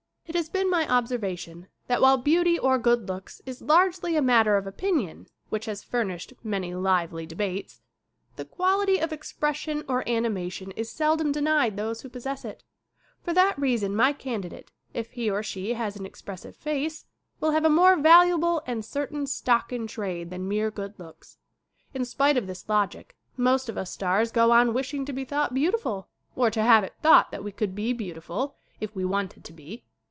It has been my observation that while beauty or good looks is largely a matter of opinion A beautiful young star and her director, Mary Miles Minter and Chester Franklin, SCREEN ACTING 49 which has furnished many lively debates the quality of expression or animation is seldom denied those who possess it. For that reason my candidate, if he or she has an expressive face, will have a more valuable and certain stock in trade than mere good looks. In spite of this logic most of us stars go on wishing to be thought beautiful, or to have it thought that we could be beautiful if we wanted to be.